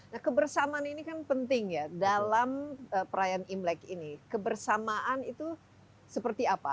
nah kebersamaan ini kan penting ya dalam perayaan imlek ini kebersamaan itu seperti apa